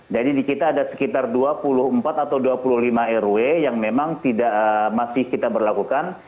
jadi di kita ada sekitar dua puluh empat atau dua puluh lima rw yang memang tidak masih kita berlakukan